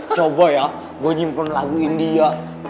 coba ya gue nyimpan lagu india